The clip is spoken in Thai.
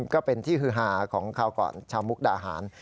ก็เป็นที่ฮือฮาของคราวก่อนชาวมุกดาหาร